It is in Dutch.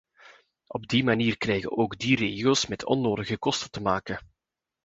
Op die manier krijgen ook die regio's met onnodige kosten te maken.